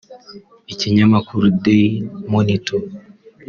Ikinyamakuru Daily Monitor